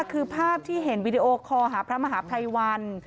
คือภาพที่เห็นวิดีโอคอลหาพระมหาภัยวัน